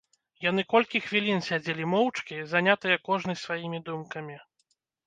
Яны колькі хвілін сядзелі моўчкі, занятыя кожны сваімі думкамі.